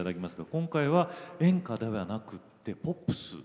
今回は演歌ではなくポップスだと。